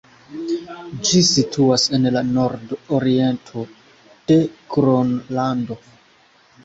Ĝi situas en la nord-oriento de Gronlando.